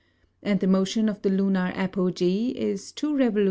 And the Motion of the Lunar Apogee, is 2 Revol.